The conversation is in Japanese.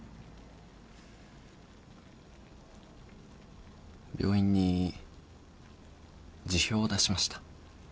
病院に辞表を出しました。